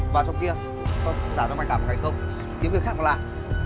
và trong kia tôi cũng giả cho mày làm cái công kiếm việc khác mà làm